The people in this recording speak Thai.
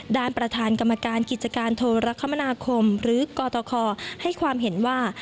ประธานกรรมการกิจการโทรคมนาคมหรือกตคให้ความเห็นว่า